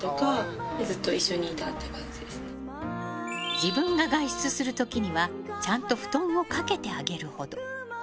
自分が外出する時にはちゃんと布団をかけてあげるほど。